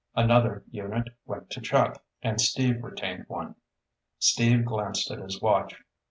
Another unit went to Chuck, and Steve retained one. Steve glanced at his watch.